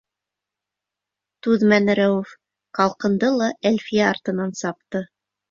Түҙмәне Рәүеф, ҡалҡынды ла Әлфиә артынан сапты.